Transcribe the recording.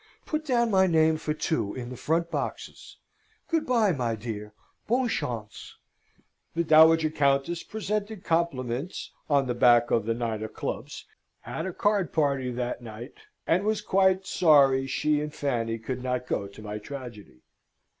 Put down my name for two in the front boxes. Good bye, my dear. Bonne chance!" The Dowager Countess presented compliments (on the back of the nine of clubs), had a card party that night, and was quite sorry she and Fanny could not go to my tragedy.